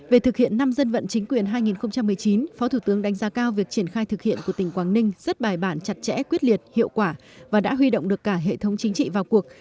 về thực hiện năm dân vận chính quyền hai nghìn một mươi chín phó thủ tướng đánh giá cao việc triển khai thực hiện của tỉnh quảng ninh rất bài bản chặt chẽ quyết liệt hiệu quả và đã huy động được cả hệ thống chính trị vào cuộc